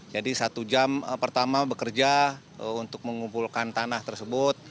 jadi satu jam pertama bekerja untuk mengumpulkan tanah tersebut